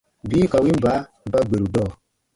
Bii ka win baa ba gberu dɔɔ.